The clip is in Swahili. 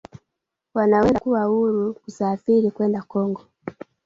wanaweza kuwa huru kusafiri kwenda Kongo